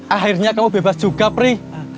akhirnya kamu bebas juga pri